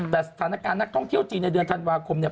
แต่สถานการณ์นักท่องเที่ยวจีนในเดือนธันวาคมเนี่ย